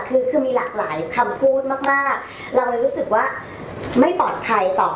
คือคือมีหลากหลายคำพูดมากเราเลยรู้สึกว่าไม่ปลอดภัยต่อ